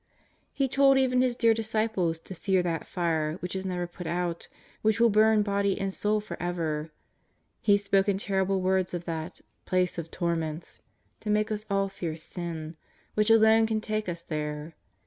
He told even His dear disciples to fear that fire which is never put out, which will burn body and soul for ever. He spoke in terrible words of that " place of torments " to make us all fear sin, which alone can take us there.